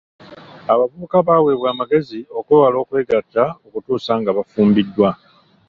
Abavubuka baweebwa amagezi okwewala okwegatta okutuusa nga bafumbiddwa.